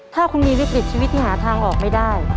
ถ้าคุณมีวิกฤตชีวิตที่หาทางออกไม่ได้